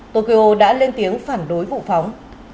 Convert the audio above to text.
tokyo đã lên tiếng phản đối vụ phóng